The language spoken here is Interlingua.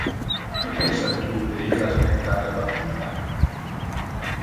Que pensa tu de ir a spectar le partita?